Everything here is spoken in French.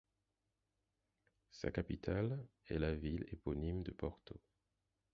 Sa capitale est la ville éponyme de Porto.